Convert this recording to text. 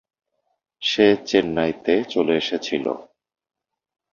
সে চেন্নাইতে চলে এসেছিলো।